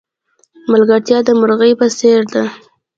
ملگرتیا د مرغی په څېر ده.